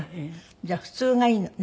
じゃあ普通がいいのね。